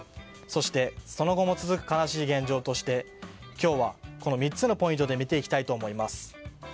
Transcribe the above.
そして、その後も続く悲しい現状として今日は、この３つのポイントで見ていきたいと思います。